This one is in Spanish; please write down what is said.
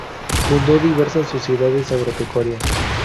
Fundó diversas sociedades agropecuarias.